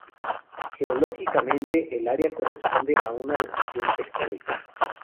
Geológicamente, el área corresponde a una depresión tectónica.